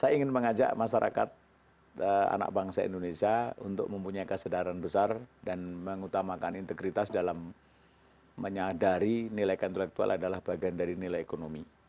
saya ingin mengajak masyarakat anak bangsa indonesia untuk mempunyai kesadaran besar dan mengutamakan integritas dalam menyadari nilai keintelektual adalah bagian dari nilai ekonomi